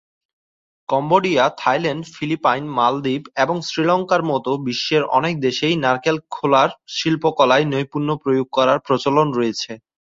Cambodia, Thailand, Philippines, Maldives এবং শ্রীলঙ্কার মতো বিশ্বের অনেক দেশেই নারকেল খোলার শিল্পকলায় নৈপুণ্য প্রয়োগ করার প্রচলন রয়েছে।